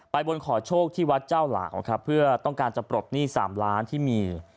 บนขอโชคที่วัดเจ้าหลางครับเพื่อต้องการจะปลดหนี้๓ล้านที่มี